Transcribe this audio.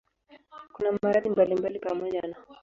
Kuna maradhi mbalimbali pamoja na